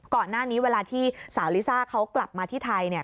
ก่อนหน้านี้เวลาที่สาวลิซ่าเขากลับมาที่ไทยเนี่ย